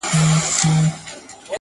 پردېسه بدو ته هم وایم د یار